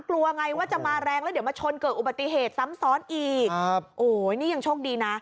กลัวไงว่าจะมาแรงแล้วเดี๋ยวมาชนเกิดอุบัติเหตุซ้ำซ้อนอีกครับโอ้ยนี่ยังโชคดีนะ